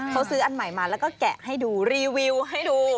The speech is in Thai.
เขาซื้ออันใหม่มาแล้วก็แกะให้ดูรีวิวให้ดู